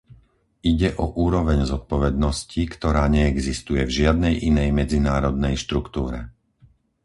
Ide o úroveň zodpovednosti, ktorá neexistuje v žiadnej inej medzinárodnej štruktúre.